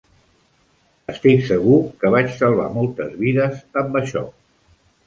Estic segur que vaig salvar moltes vides amb això.